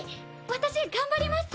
私頑張ります。